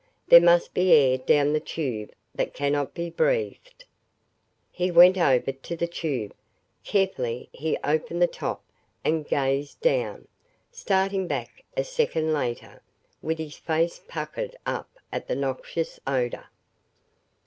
"There must be air down the tube that cannot be breathed." He went over to the tube. Carefully he opened the top and gazed down, starting back a second later, with his face puckered up at the noxious odor.